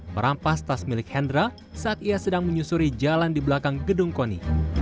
merampas tas milik hendra saat ia sedang menyusuri jalan di belakang gedung koni